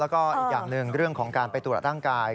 แล้วก็อีกอย่างหนึ่งเรื่องของการไปตรวจร่างกาย